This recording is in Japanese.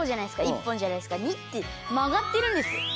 １本じゃないですか「２」って曲がってるんですよ。